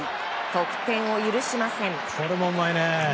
得点を許しません。